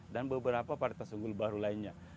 dan beberapa paritas unggul baru lainnya